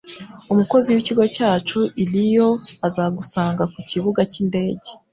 Umukozi wikigo cyacu i Rio azagusanga kukibuga cyindege.